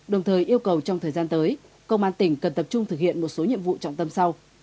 đồng thời yêu cầu trong thời gian tới công an tỉnh cần tập trung thực hiện một số nhiệm vụ trọng tâm sau